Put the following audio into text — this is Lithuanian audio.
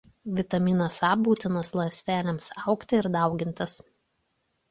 Vitaminas A būtinas ląstelėms augti ir daugintis.